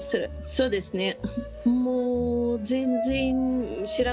そうですね。